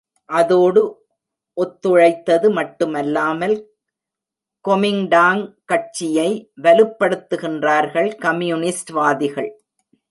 அதோடு ஒத்துழைத்தது மட்டிலுமல்ல கொமிங்டாங்கட்சியை வலுப்படுத்துகின்றார்கள் கம்யூனிஸ்ட்வாதிகள்.